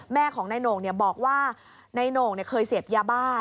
แม่ของนายโหน่งบอกว่านายโหน่งเคยเสพยาบ้า